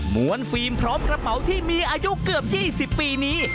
วนฟิล์มพร้อมกระเป๋าที่มีอายุเกือบ๒๐ปีนี้